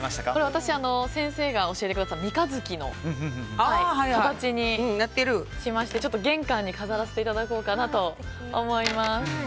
私、先生が教えてくださった三日月の形にしまして玄関に飾らせていただこうかなと思います。